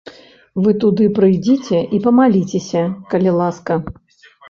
Вы туды прыйдзіце і памаліцеся, калі ласка.